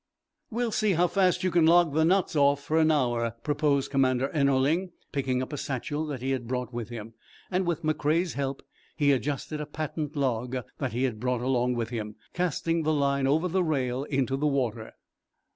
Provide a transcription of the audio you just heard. "We'll see how fast you can log the knots off for an hour," proposed Commander Ennerling, picking up a satchel that he had brought with him. With McCrea's help he adjusted a patent log that he had brought along with him, casting the line over the rail into the water.